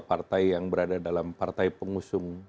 partai yang berada dalam partai pengusung